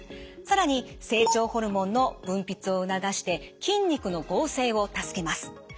更に成長ホルモンの分泌を促して筋肉の合成を助けます。